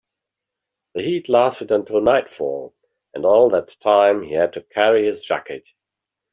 The heat lasted until nightfall, and all that time he had to carry his jacket.